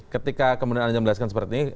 ketika kemudian anda menjelaskan seperti ini